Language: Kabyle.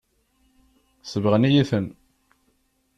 Sebɣen-iyi-ten.